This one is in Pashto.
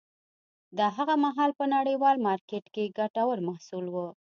دا هغه مهال په نړیوال مارکېټ کې ګټور محصول و